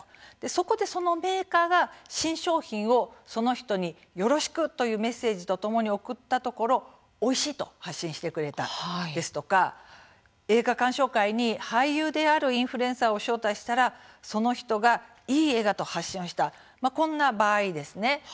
そこで、そのメーカーが新商品をその人に、よろしくというメッセージとともに送ったところおいしいと発信してくれたですとか映画鑑賞会に俳優であるインフルエンサーを招待したらその人が、いい映画と発信をしたこんな場合ですね。